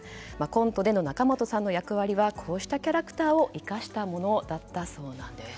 コントでの仲本さんの役割はこうしたキャラクターを生かしたものだったそうなんです。